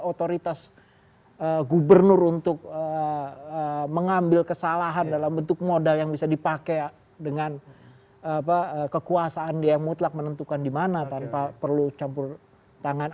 otoritas gubernur untuk mengambil kesalahan dalam bentuk modal yang bisa dipakai dengan kekuasaan dia yang mutlak menentukan di mana tanpa perlu campur tangan